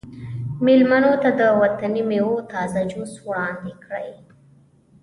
میلمنو ته د وطني میوو تازه جوس وړاندې کړئ